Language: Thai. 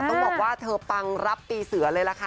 ต้องบอกว่าเธอปังรับปีเสือเลยล่ะค่ะ